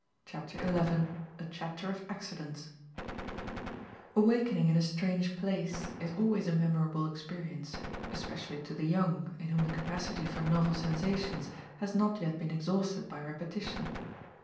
CHAPTER XI A CHAPTER OF ACCIDENTS AWAKENING in a strange place is always a memorable experience; especially to the young, in whom the capacity for novel sensations has not yet been exhausted by repetition.